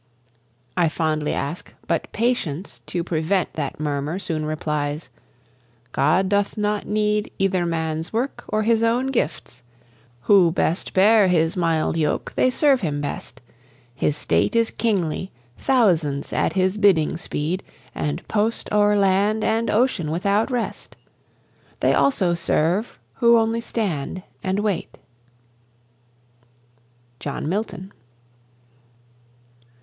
I fondly ask: but Patience, to prevent That murmur, soon replies, God doth not need Either man's work, or His own gifts; who best Bear His mild yoke, they serve Him best; His state Is kingly; thousands at His bidding speed, And post o'er land and ocean without rest; They also serve who only stand and wait. JOHN MILTON.